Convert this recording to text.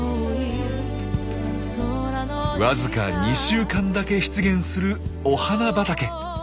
わずか２週間だけ出現するお花畑。